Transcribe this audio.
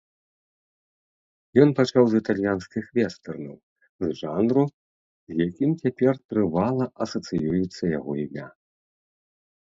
Ён пачаў з італьянскіх вестэрнаў, з жанру, з якім цяпер трывала асацыюецца яго імя.